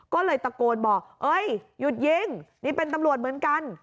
ก็เลยตะโกนบอกเอ้ยหยุดยิงนี่เป็นตำรวจเหมือนกัน